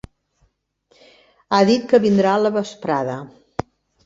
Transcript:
Ha dit que vindrà a la vesprada.